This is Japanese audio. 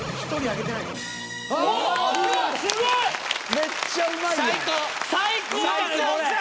めっちゃうまいやん。